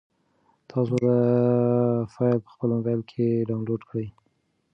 تاسو دا فایل په خپل موبایل کې ډاونلوډ کړئ.